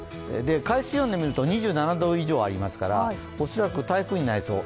海水温で見ると２７度以上ありますから恐らく台風になりそう。